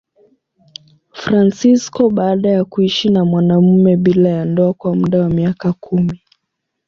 Fransisko baada ya kuishi na mwanamume bila ya ndoa kwa muda wa miaka kumi.